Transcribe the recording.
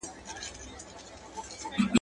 دا چلند ټولنیز درزونه ژوروي.